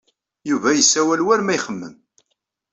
Yuba yessawal war ma ixemmem.